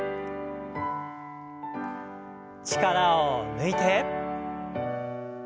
力を抜いて。